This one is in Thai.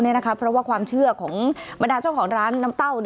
เพราะว่าความเชื่อของบรรดาเจ้าของร้านน้ำเต้า